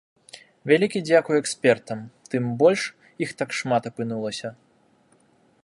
Вялікі дзякуй экспертам, тым больш іх так шмат апынулася.